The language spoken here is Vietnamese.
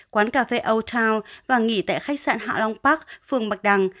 quán cà phê old town và nghỉ tại khách sạn hạ long park phường bạch đăng